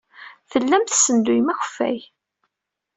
Tellam tessenduyem akeffay.